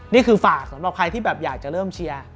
นี่คือฝากสำหรับใครที่แบบอยากจะเริ่มเชียร์